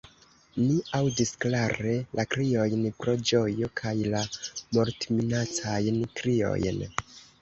Ni aŭdis klare la kriojn pro ĝojo kaj la mortminacajn kriojn.